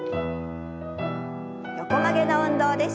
横曲げの運動です。